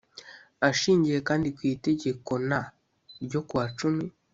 ashingiye kandi ku itegeko n ryo kuwa cumi